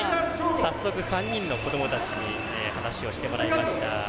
早速、３人の子どもたちに話をしてもらいました。